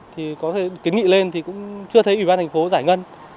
thì có kiến nghị lên thì cũng chưa thấy ủy ban thành phố giải ngân